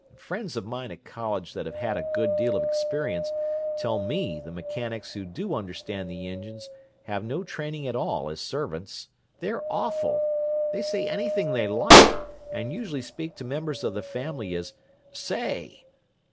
And friends of mine at college that've had a good deal of experience tell me the mechanics who do understand the engines have no training at all as servants. They're awful! They say anything they like, and usually speak to members of the family as 'Say!